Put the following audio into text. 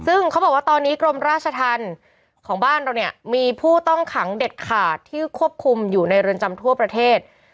ซึ่งเขาบอกว่าตอนนี้กรมราชธรรมของบ้านเราเนี่ยมีผู้ต้องขังเด็ดขาดที่ควบคุมอยู่ในเรือนจำทั่วประเทศ